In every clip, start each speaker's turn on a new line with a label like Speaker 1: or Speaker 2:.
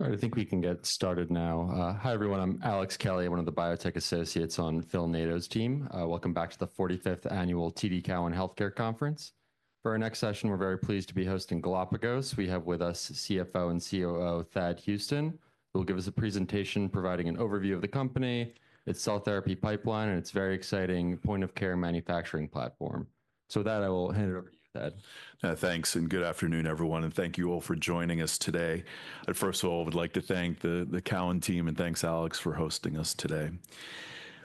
Speaker 1: All right, I think we can get started now. Hi everyone, I'm Alex Kelly, one of the biotech associates on Phil Nadeau's team. Welcome back to the 45th Annual TD Cowen Healthcare Conference. For our next session, we're very pleased to be hosting Galapagos. We have with us CFO and COO Thad Huston, who will give us a presentation providing an overview of the company, its cell therapy pipeline, and its very exciting point-of-care manufacturing platform. So with that, I will hand it over to you, Thad.
Speaker 2: Thanks, and good afternoon, everyone, and thank you all for joining us today. First of all, I would like to thank the Cowen team, and thanks, Alex, for hosting us today.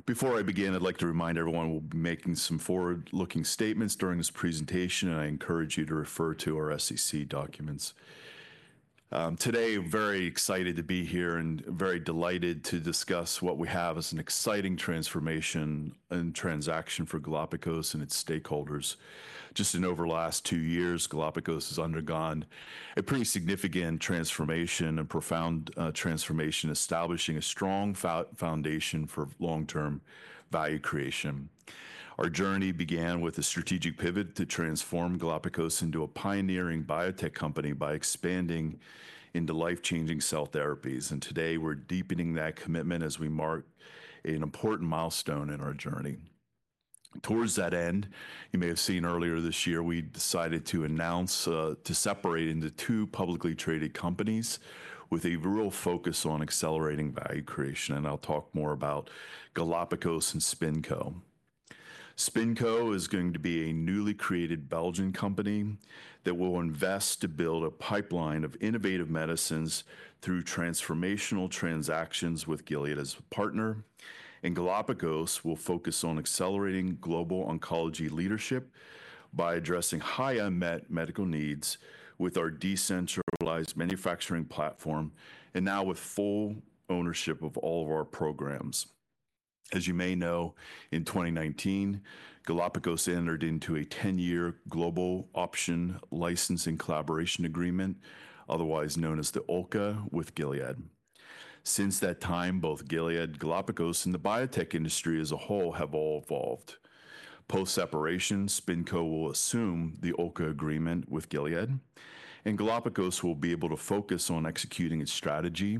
Speaker 2: Before I begin, I'd like to remind everyone we'll be making some forward-looking statements during this presentation, and I encourage you to refer to our SEC documents. Today, very excited to be here and very delighted to discuss what we have as an exciting transformation and transaction for Galapagos and its stakeholders. Just over the last two years, Galapagos has undergone a pretty significant transformation, a profound transformation, establishing a strong foundation for long-term value creation. Our journey began with a strategic pivot to transform Galapagos into a pioneering biotech company by expanding into life-changing cell therapies, and today we're deepening that commitment as we mark an important milestone in our journey. Towards that end, you may have seen earlier this year, we decided to announce to separate into two publicly traded companies with a real focus on accelerating value creation, and I'll talk more about Galapagos and SpinCo. SpinCo is going to be a newly created Belgian company that will invest to build a pipeline of innovative medicines through transformational transactions with Gilead as a partner, and Galapagos will focus on accelerating global oncology leadership by addressing high unmet medical needs with our decentralized manufacturing platform, and now with full ownership of all of our programs. As you may know, in 2019, Galapagos entered into a 10-year global option licensing collaboration agreement, otherwise known as the OLCA, with Gilead. Since that time, both Gilead, Galapagos, and the biotech industry as a whole have all evolved. Post-separation, SpinCo will assume the OLCA agreement with Gilead, and Galapagos will be able to focus on executing its strategy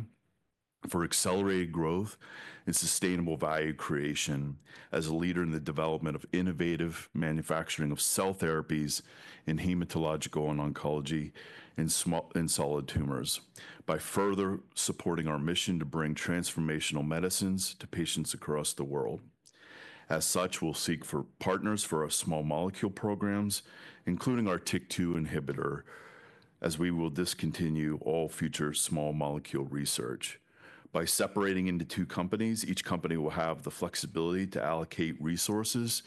Speaker 2: for accelerated growth and sustainable value creation as a leader in the development of innovative manufacturing of cell therapies in hematological and oncology in small and solid tumors, by further supporting our mission to bring transformational medicines to patients across the world. As such, we'll seek for partners for our small molecule programs, including our TYK2 inhibitor, as we will discontinue all future small molecule research. By separating into two companies, each company will have the flexibility to allocate resources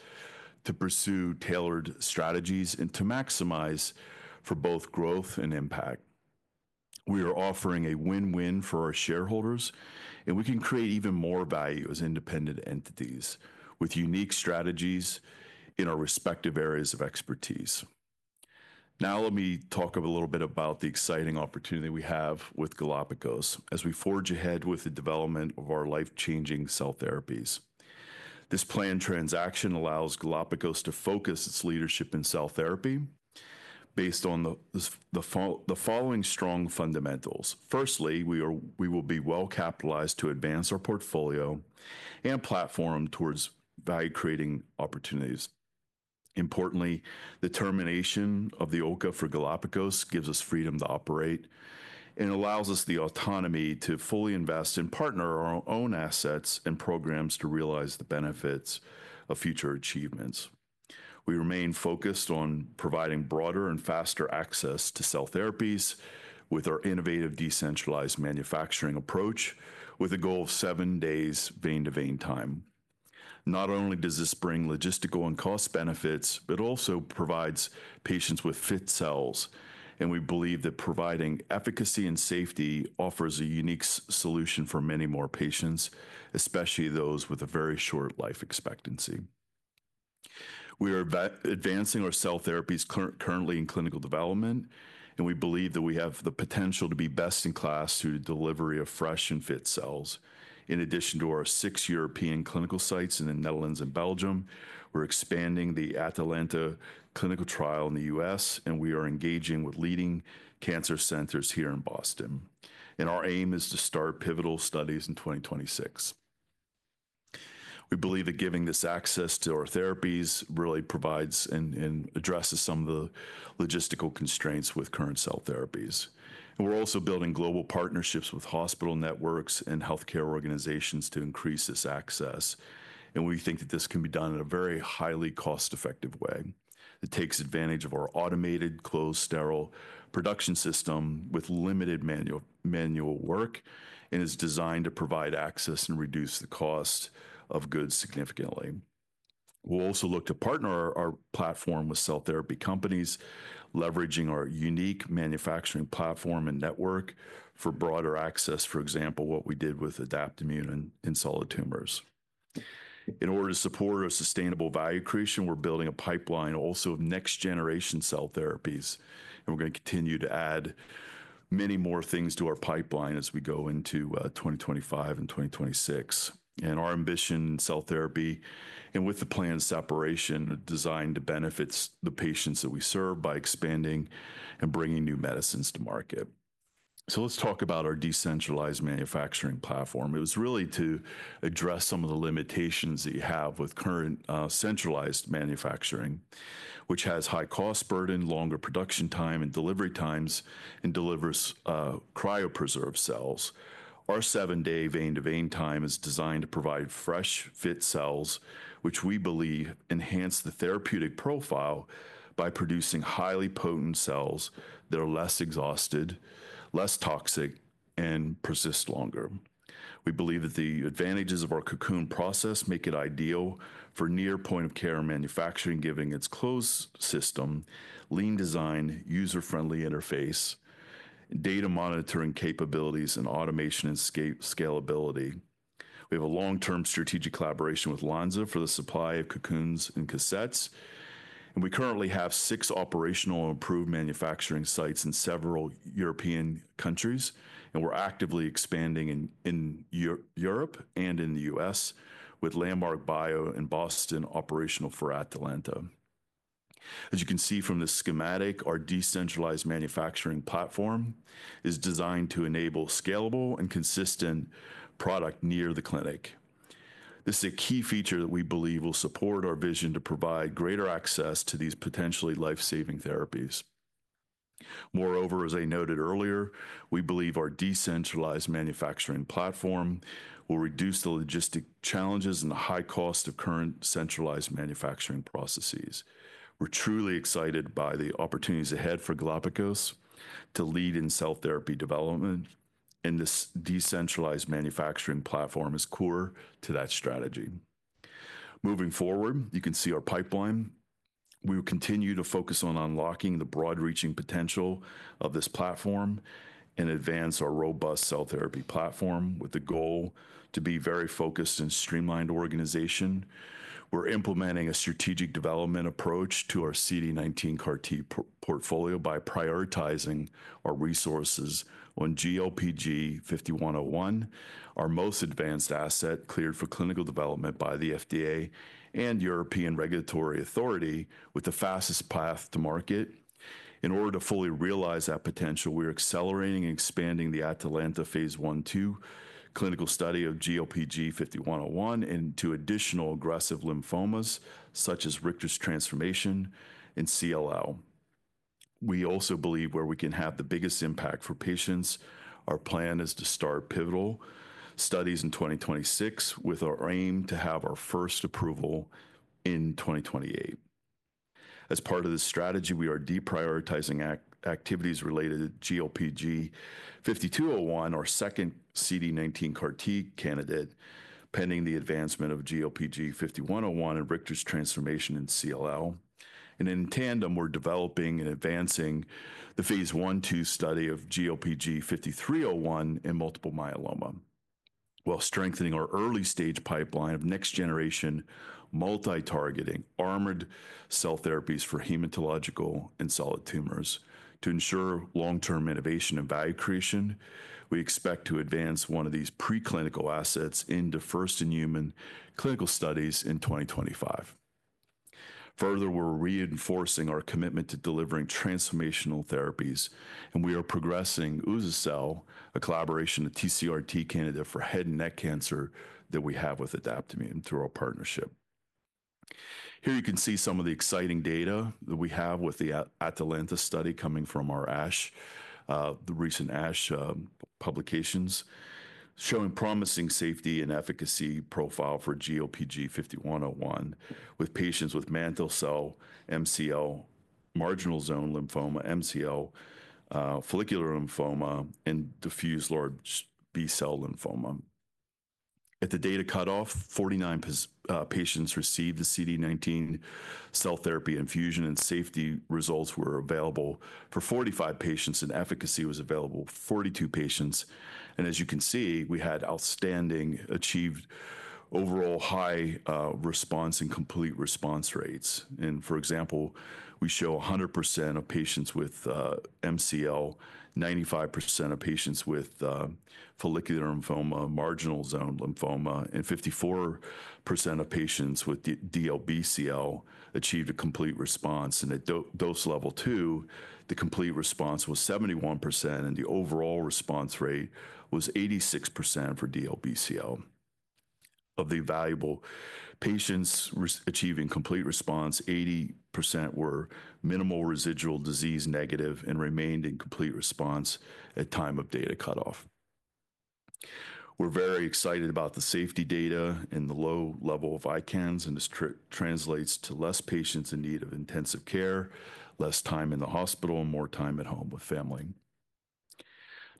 Speaker 2: to pursue tailored strategies and to maximize for both growth and impact. We are offering a win-win for our shareholders, and we can create even more value as independent entities with unique strategies in our respective areas of expertise. Now, let me talk a little bit about the exciting opportunity we have with Galapagos as we forge ahead with the development of our life-changing cell therapies. This planned transaction allows Galapagos to focus its leadership in cell therapy based on the following strong fundamentals. Firstly, we will be well-capitalized to advance our portfolio and platform towards value-creating opportunities. Importantly, the termination of the OLCA for Galapagos gives us freedom to operate and allows us the autonomy to fully invest and partner our own assets and programs to realize the benefits of future achievements. We remain focused on providing broader and faster access to cell therapies with our innovative decentralized manufacturing approach, with a goal of seven days vein-to-vein time. Not only does this bring logistical and cost benefits, but it also provides patients with fit cells, and we believe that providing efficacy and safety offers a unique solution for many more patients, especially those with a very short life expectancy. We are advancing our cell therapies currently in clinical development, and we believe that we have the potential to be best in class through the delivery of fresh and fit cells. In addition to our six European clinical sites in the Netherlands and Belgium, we're expanding the Atalanta clinical trial in the U.S., and we are engaging with leading cancer centers here in Boston. And our aim is to start pivotal studies in 2026. We believe that giving this access to our therapies really provides and addresses some of the logistical constraints with current cell therapies. And we're also building global partnerships with hospital networks and healthcare organizations to increase this access, and we think that this can be done in a very highly cost-effective way. It takes advantage of our automated closed-sterile production system with limited manual work and is designed to provide access and reduce the cost of goods significantly. We'll also look to partner our platform with cell therapy companies, leveraging our unique manufacturing platform and network for broader access, for example, what we did with Adaptimmune in solid tumors. In order to support a sustainable value creation, we're building a pipeline also of next-generation cell therapies, and we're gonna continue to add many more things to our pipeline as we go into 2025 and 2026. Our ambition in cell therapy, and with the planned separation, is designed to benefit the patients that we serve by expanding and bringing new medicines to market. Let's talk about our decentralized manufacturing platform. It was really to address some of the limitations that you have with current, centralized manufacturing, which has a high cost burden, longer production time, and delivery times, and delivers, cryopreserved cells. Our seven-day vein-to-vein time is designed to provide fresh, fit cells, which we believe enhance the therapeutic profile by producing highly potent cells that are less exhausted, less toxic, and persist longer. We believe that the advantages of our Cocoon process make it ideal for near point-of-care manufacturing, giving its closed system, lean design, user-friendly interface, data monitoring capabilities, and automation and scalability. We have a long-term strategic collaboration with Lonza for the supply of cocoons and cassettes, and we currently have six operational and approved manufacturing sites in several European countries, and we're actively expanding in Europe and in the U.S. with Landmark Bio in Boston operational for Atalanta. As you can see from this schematic, our decentralized manufacturing platform is designed to enable scalable and consistent product near the clinic. This is a key feature that we believe will support our vision to provide greater access to these potentially life-saving therapies. Moreover, as I noted earlier, we believe our decentralized manufacturing platform will reduce the logistic challenges and the high cost of current centralized manufacturing processes. We're truly excited by the opportunities ahead for Galapagos to lead in cell therapy development, and this decentralized manufacturing platform is core to that strategy. Moving forward, you can see our pipeline. We will continue to focus on unlocking the broad-reaching potential of this platform and advance our robust cell therapy platform with the goal to be a very focused and streamlined organization. We're implementing a strategic development approach to our CD19 CAR-T portfolio by prioritizing our resources on GLPG 5101, our most advanced asset cleared for clinical development by the FDA and European regulatory authority with the fastest path to market. In order to fully realize that potential, we are accelerating and expanding the Atalanta phase 1/2 clinical study of GLPG 5101 into additional aggressive lymphomas such as Richter's transformation and CLL. We also believe where we can have the biggest impact for patients. Our plan is to start pivotal studies in 2026 with our aim to have our first approval in 2028. As part of this strategy, we are deprioritizing activities related to GLPG 5201, our second CD19 CAR-T candidate, pending the advancement of GLPG 5101 and Richter's transformation in CLL. And in tandem, we're developing and advancing the phase 1/2 study of GLPG 5301 in multiple myeloma while strengthening our early-stage pipeline of next-generation multi-targeting armored cell therapies for hematological and solid tumors to ensure long-term innovation and value creation. We expect to advance one of these preclinical assets into first-in-human clinical studies in 2025. Further, we're reinforcing our commitment to delivering transformational therapies, and we are progressing uza-cel, a collaboration with TCR-T candidate for head and neck cancer that we have with Adaptimmune through our partnership. Here you can see some of the exciting data that we have with the Atalanta study coming from our ASH, the recent ASH publications showing promising safety and efficacy profile for GLPG 5101 with patients with mantle cell MCL, marginal zone lymphoma MZL, follicular lymphoma, and diffuse large B-cell lymphoma. At the data cutoff, 49 patients received the CD19 cell therapy infusion, and safety results were available for 45 patients, and efficacy was available for 42 patients, and as you can see, we had outstanding achieved overall high response and complete response rates, and for example, we show 100% of patients with MCL, 95% of patients with follicular lymphoma, marginal zone lymphoma, and 54% of patients with DLBCL achieved a complete response, and at dose level two, the complete response was 71%, and the overall response rate was 86% for DLBCL. Of the evaluable patients achieving complete response, 80% were minimal residual disease negative and remained in complete response at time of data cutoff. We're very excited about the safety data and the low level of ICANS, and this translates to less patients in need of intensive care, less time in the hospital, and more time at home with family.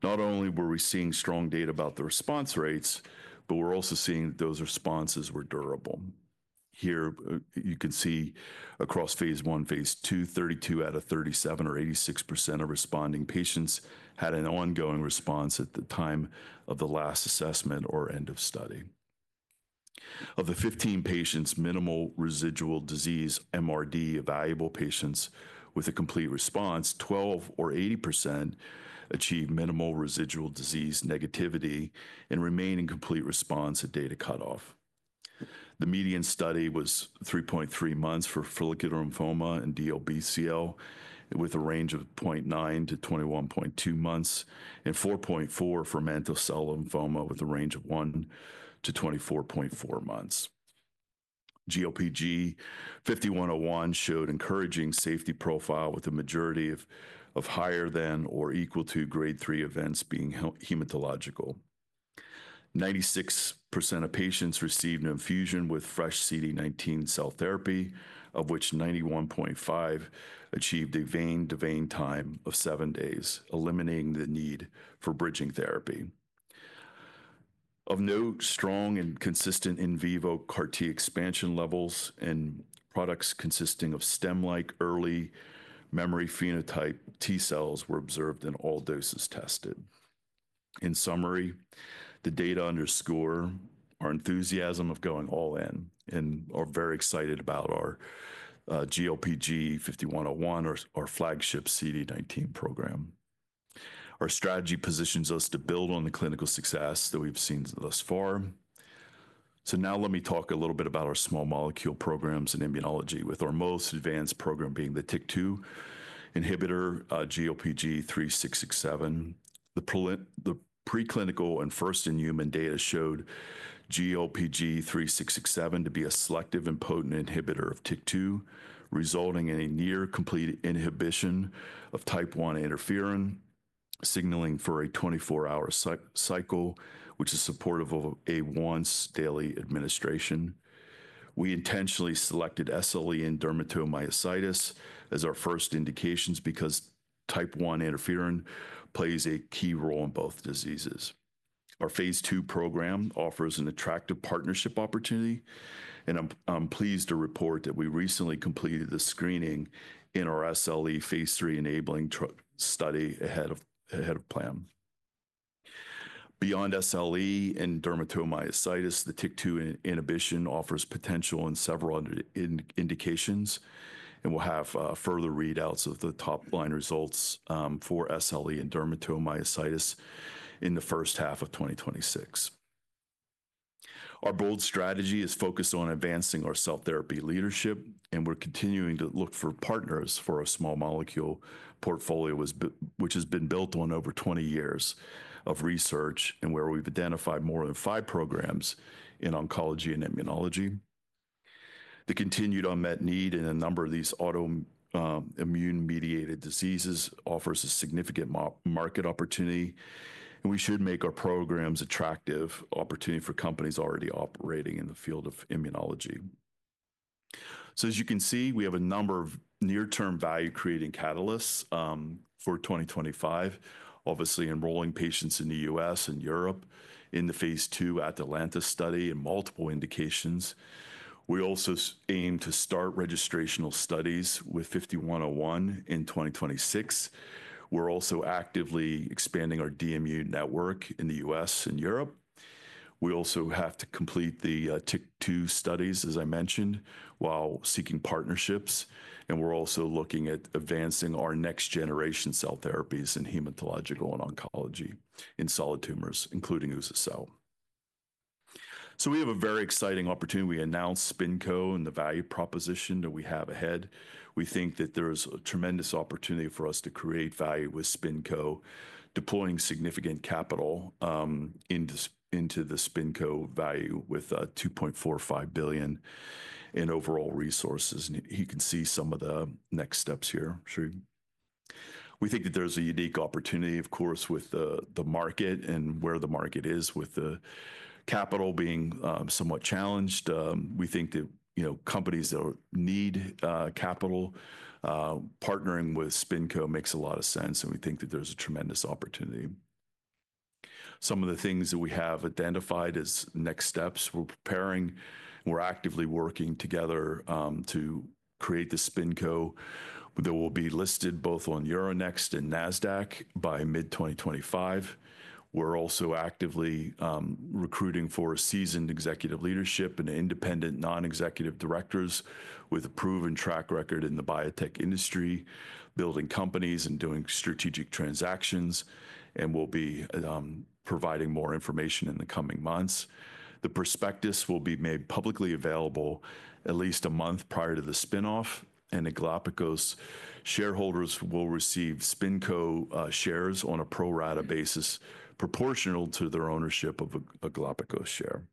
Speaker 2: Not only were we seeing strong data about the response rates, but we're also seeing that those responses were durable. Here, you can see across phase 1, phase 2, 32 out of 37 or 86% of responding patients had an ongoing response at the time of the last assessment or end of study. Of the 15 minimal residual disease MRD-evaluable patients with a complete response, 12 or 80% achieved minimal residual disease negativity and remained in complete response at data cutoff. The median study was 3.3 months for follicular lymphoma and DLBCL, with a range of 0.9-21.2 months, and 4.4 for mantle cell lymphoma, with a range of 1-24.4 months. GLPG 5101 showed encouraging safety profile with a majority of higher than or equal to grade 3 events being hematological. 96% of patients received an infusion with fresh CD19 cell therapy, of which 91.5% achieved a vein-to-vein time of seven days, eliminating the need for bridging therapy. Of note, strong and consistent in vivo CAR-T expansion levels and products consisting of stem-like early memory phenotype T cells were observed in all doses tested. In summary, the data underscore our enthusiasm of going all in and are very excited about our GLPG 5101, our flagship CD19 program. Our strategy positions us to build on the clinical success that we've seen thus far. So now let me talk a little bit about our small molecule programs in immunology, with our most advanced program being the TYK2 inhibitor, GLPG 3667. The preclinical and first-in-human data showed GLPG 3667 to be a selective and potent inhibitor of TYK2, resulting in a near-complete inhibition of type 1 interferon signaling for a 24-hour cycle, which is supportive of a once-daily administration. We intentionally selected SLE and dermatomyositis as our first indications because type 1 interferon plays a key role in both diseases. Our phase 2 program offers an attractive partnership opportunity, and I'm pleased to report that we recently completed the screening in our SLE phase 3 enabling trial study ahead of plan. Beyond SLE and dermatomyositis, the TYK2 inhibition offers potential in several indications, and we'll have further readouts of the top line results for SLE and dermatomyositis in the first half of 2026. Our bold strategy is focused on advancing our cell therapy leadership, and we're continuing to look for partners for a small molecule portfolio that has been built on over 20 years of research, and where we've identified more than five programs in oncology and immunology. The continued unmet need in a number of these auto-immune-mediated diseases offers a significant market opportunity, and we should make our programs an attractive opportunity for companies already operating in the field of immunology. So as you can see, we have a number of near-term value-creating catalysts for 2025, obviously enrolling patients in the U.S. and Europe in the phase 2 Atalanta study and multiple indications. We also aim to start registrational studies with 5101 in 2026. We're also actively expanding our DMU network in the U.S. and Europe. We also have to complete the TYK2 studies, as I mentioned, while seeking partnerships, and we're also looking at advancing our next-generation cell therapies in hematological and oncology in solid tumors, including uza-cel. So we have a very exciting opportunity. We announced SpinCo and the value proposition that we have ahead. We think that there is a tremendous opportunity for us to create value with SpinCo, deploying significant capital into the SpinCo value with 2.45 billion in overall resources. And you can see some of the next steps here, Sure. We think that there's a unique opportunity, of course, with the market and where the market is with the capital being somewhat challenged. We think that, you know, companies that need capital partnering with SpinCo makes a lot of sense, and we think that there's a tremendous opportunity. Some of the things that we have identified as next steps, we're preparing, we're actively working together to create the SpinCo that will be listed both on Euronext and NASDAQ by mid-2025. We're also actively recruiting for a seasoned executive leadership and independent non-executive directors with a proven track record in the biotech industry, building companies and doing strategic transactions, and we'll be providing more information in the coming months. The prospectus will be made publicly available at least a month prior to the spinoff, and the Galapagos shareholders will receive SpinCo shares on a pro rata basis proportional to their ownership of a Galapagos share.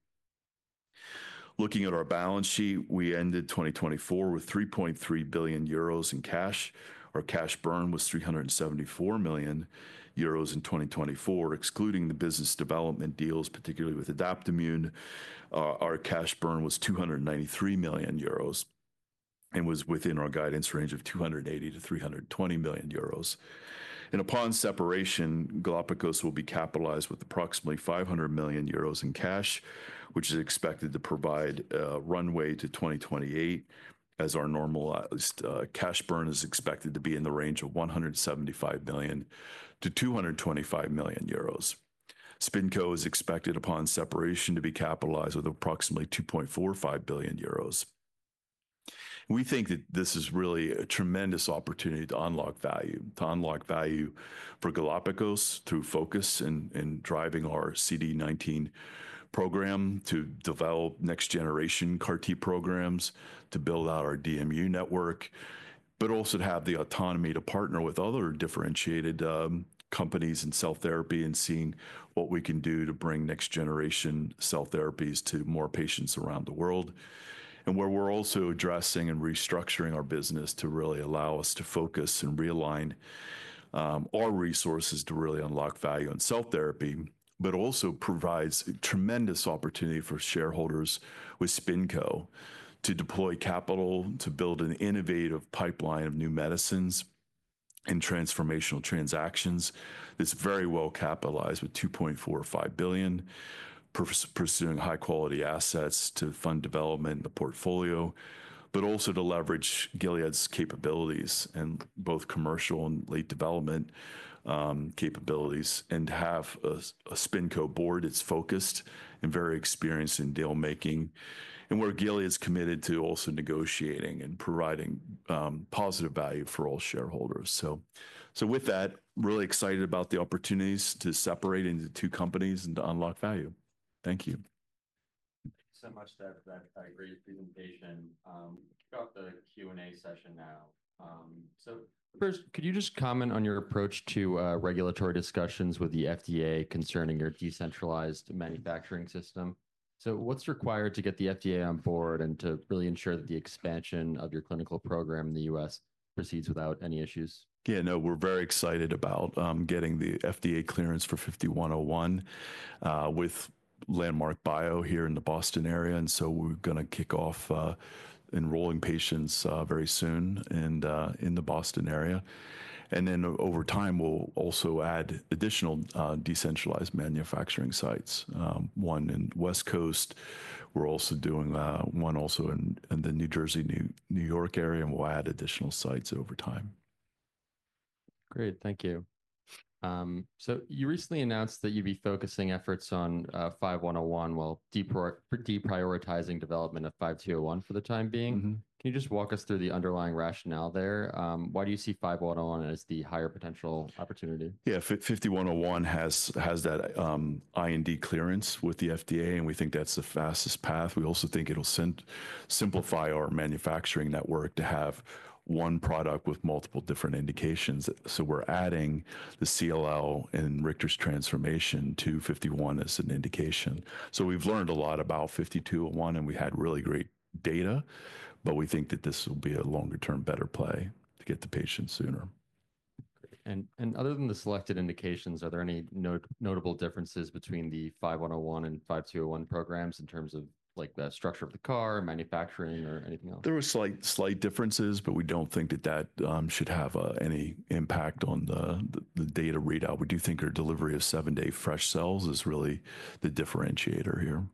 Speaker 2: Looking at our balance sheet, we ended 2024 with 3.3 billion euros in cash. Our cash burn was 374 million euros in 2024, excluding the business development deals, particularly with Adaptimmune. Our cash burn was 293 million euros and was within our guidance range of 280-320 million euros. And upon separation, Galapagos will be capitalized with approximately 500 million euros in cash, which is expected to provide a runway to 2028, as our normalized, cash burn is expected to be in the range of 175-225 million euros. SpinCo is expected upon separation to be capitalized with approximately 2.45 billion euros. We think that this is really a tremendous opportunity to unlock value, to unlock value for Galapagos through focus in driving our CD19 program, to develop next-generation CAR-T programs, to build out our DMU network, but also to have the autonomy to partner with other differentiated companies in cell therapy and seeing what we can do to bring next-generation cell therapies to more patients around the world. And where we're also addressing and restructuring our business to really allow us to focus and realign our resources to really unlock value in cell therapy, but also provides a tremendous opportunity for shareholders with SpinCo to deploy capital, to build an innovative pipeline of new medicines and transformational transactions. This is very well capitalized with 2.45 billion pursuing high-quality assets to fund development in the portfolio, but also to leverage Gilead's capabilities in both commercial and lead development, capabilities, and to have a SpinCo board that's focused and very experienced in dealmaking, and we're Gilead's committed to also negotiating and providing positive value for all shareholders, so with that, really excited about the opportunities to separate into two companies and to unlock value. Thank you.
Speaker 1: Thank you so much, Thad. Thad, I agree with your presentation. Kick off the Q&A session now, so first, could you just comment on your approach to regulatory discussions with the FDA concerning your decentralized manufacturing system, so what's required to get the FDA on board and to really ensure that the expansion of your clinical program in the U.S. proceeds without any issues?
Speaker 2: Yeah, no, we're very excited about getting the FDA clearance for 5101 with Landmark Bio here in the Boston area. And so we're gonna kick off enrolling patients very soon and in the Boston area. And then over time, we'll also add additional decentralized manufacturing sites, one in West Coast. We're also doing one also in the New Jersey, New York area, and we'll add additional sites over time. Great. Thank you. You recently announced that you'd be focusing efforts on 5101 while deprioritizing development of 5201 for the time being. Mm-hmm. Can you just walk us through the underlying rationale there? Why do you see 5101 as the higher potential opportunity? Yeah, 5101 has that IND clearance with the FDA, and we think that's the fastest path. We also think it'll simplify our manufacturing network to have one product with multiple different indications. So we're adding the CLL and Richter's transformation to 5101 as an indication. So we've learned a lot about 5201, and we had really great data, but we think that this will be a longer-term better play to get the patients sooner. Great. And other than the selected indications, are there any notable differences between the 5101 and 5201 programs in terms of, like, the structure of the car, manufacturing, or anything else? There were slight differences, but we don't think that should have any impact on the data readout. We do think our delivery of seven-day fresh cells is really the differentiator here.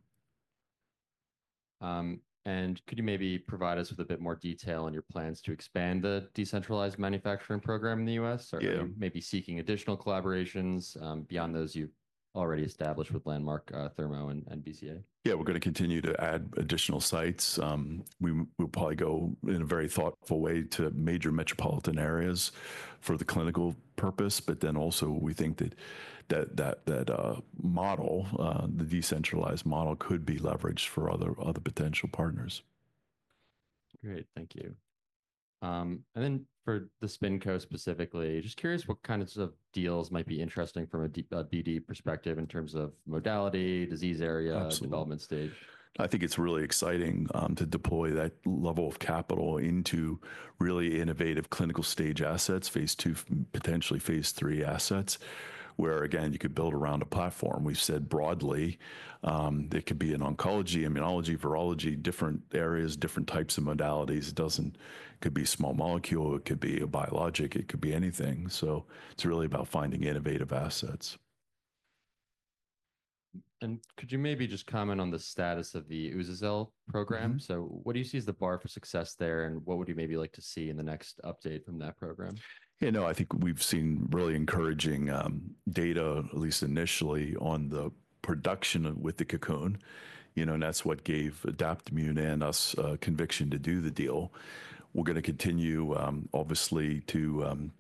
Speaker 1: And could you maybe provide us with a bit more detail on your plans to expand the decentralized manufacturing program in the U.S.? Are you maybe seeking additional collaborations, beyond those you've already established with Landmark, Thermo and BCA?
Speaker 2: Yeah, we're gonna continue to add additional sites. We'll probably go in a very thoughtful way to major metropolitan areas for the clinical purpose, but then also we think that model, the decentralized model, could be leveraged for other potential partners. Great. Thank you.
Speaker 1: And then for the SpinCo specifically, just curious what kinds of deals might be interesting from a BD perspective in terms of modality, disease area, development stage.
Speaker 2: Absolutely. I think it's really exciting to deploy that level of capital into really innovative clinical stage assets, phase two, potentially phase three assets, where again, you could build around a platform. We've said broadly, it could be in oncology, immunology, virology, different areas, different types of modalities. It doesn't, it could be small molecule, it could be a biologic, it could be anything. So it's really about finding innovative assets.
Speaker 1: Could you maybe just comment on the status of the uza-cel program? So what do you see as the bar for success there, and what would you maybe like to see in the next update from that program?
Speaker 2: Yeah, no, I think we've seen really encouraging data, at least initially on the production with the Cocoon, you know, and that's what gave Adaptimmune and us conviction to do the deal. We're gonna continue, obviously to,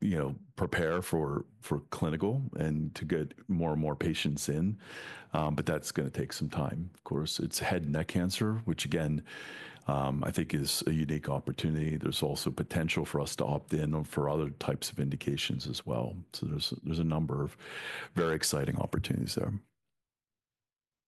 Speaker 2: you know, prepare for clinical and to get more and more patients in, but that's gonna take some time. Of course, it's head and neck cancer, which again, I think is a unique opportunity. There's also potential for us to opt in for other types of indications as well. So there's a number of very exciting opportunities there.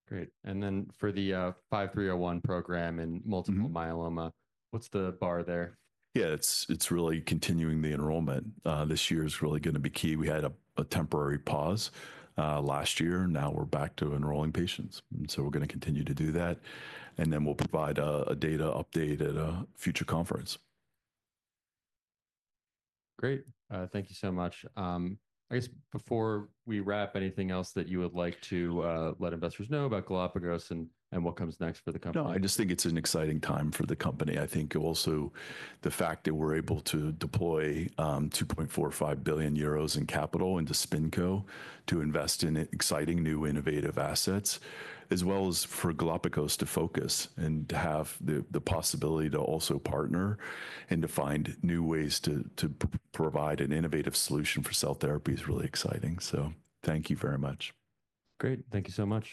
Speaker 1: Great. Then for the 5301 program in multiple myeloma, what's the bar there?
Speaker 2: Yeah, it's really continuing the enrollment. This year is really gonna be key. We had a temporary pause last year. Now we're back to enrolling patients. So we're gonna continue to do that, and then we'll provide a data update at a future conference.
Speaker 1: Great. Thank you so much. I guess before we wrap, anything else that you would like to let investors know about Galapagos and what comes next for the company?
Speaker 2: No, I just think it's an exciting time for the company. I think also the fact that we're able to deploy 2.45 billion euros in capital into SpinCo to invest in exciting new innovative assets, as well as for Galapagos to focus and to have the possibility to also partner and to find new ways to provide an innovative solution for cell therapy is really exciting. So thank you very much.
Speaker 1: Great. Thank you so much.